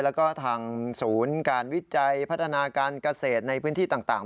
แล้วก็ทางศูนย์การวิจัยพัฒนาการเกษตรในพื้นที่ต่าง